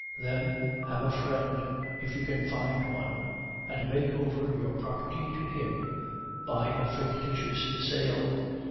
Then, have a friend if you can find one and make over your property to him by a fictitious sale.